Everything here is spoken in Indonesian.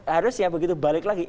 harus ya begitu balik lagi